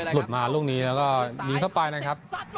หลุดมาลูกนี้แล้วก็ยิงเข้าไปนะครับ